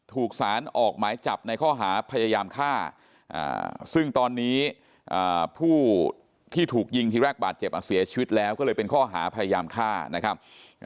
ถูกสารออกหมายจับในข้อหาพยายามฆ่าซึ่งตอนนี้ผู้ที่ถูกยิงทีแรกบาดเจ็บเสียชีวิตแล้วก็เลยเป็นข้อหาพยายามฆ่านะครับ